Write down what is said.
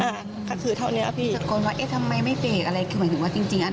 สักคนรู้ไหมทำไมไม่เบรกอะไร